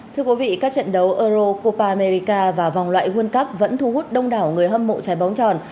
thưa quý vị các trận đấu euro copamerica và vòng loại world cup vẫn thu hút đông đảo người hâm mộ trái bóng tròn